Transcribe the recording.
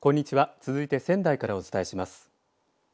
続いて仙台からお伝えします。